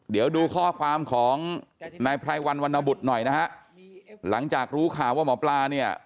เดี๋ยวดูข้อความของนายไพรวันวรรณบุตรหน่อยนะฮะหลังจากรู้ข่าวว่าหมอปลาเนี่ย